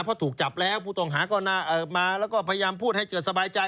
เพราะถูกจับแล้วผู้ต้องหาก็มาแล้วก็พยายามพูดให้เกิดสบายใจ